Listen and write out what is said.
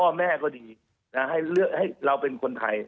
พ่อแม่ก็ดีให้เราเป็นคนไทย